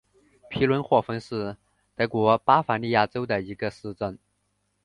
皮伦霍芬是德国巴伐利亚州的一个市镇。